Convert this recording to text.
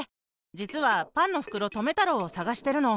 じつはパンのふくろとめたろうをさがしてるの。